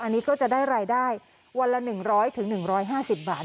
อันนี้ก็จะได้รายได้วันละ๑๐๐๑๕๐บาท